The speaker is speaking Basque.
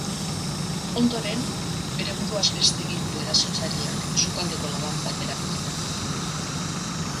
Ondoren, bere buruaz beste egin du erasotzaileak, sukaldeko laban bat erabilita.